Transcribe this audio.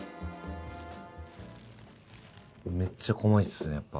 めっちゃ細いっすねやっぱ。